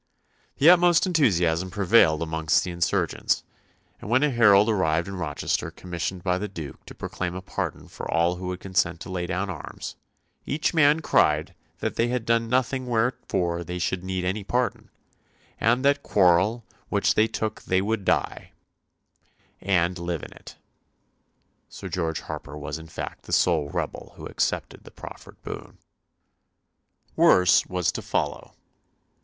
The utmost enthusiasm prevailed amongst the insurgents, and when a herald arrived in Rochester commissioned by the Duke to proclaim a pardon for all who would consent to lay down arms, "each man cried that they had done nothing wherefore they should need any pardon, and that quarrel which they took they would die and live in it." Sir George Harper was in fact the sole rebel who accepted the proffered boon. Worse was to follow.